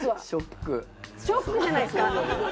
ショックじゃないですか？